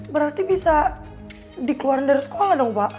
berarti bisa dikeluarkan dari sekolah dong pak